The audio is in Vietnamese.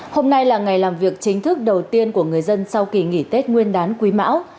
hôm nay là ngày làm việc chính thức đầu tiên của người dân sau kỳ nghỉ tết nguyên đán quý mão